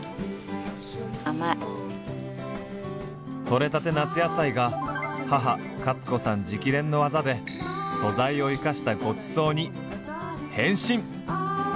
取れたて夏野菜が母カツ子さん直伝のワザで素材を生かしたごちそうに変身！